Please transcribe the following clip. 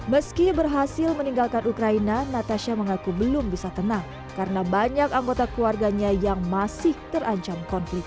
meski berhasil meninggalkan ukraina natasha mengaku belum bisa tenang karena banyak anggota keluarganya yang masih terancam konflik